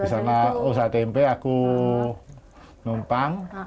di sana usaha tempe aku numpang